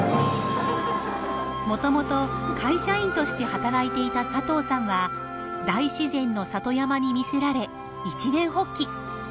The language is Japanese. もともと会社員として働いていた佐藤さんは大自然の里山に魅せられ一念発起。